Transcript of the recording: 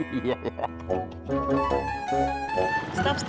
kagak butuh bekas